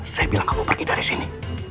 saya bilang kamu pergi dari sini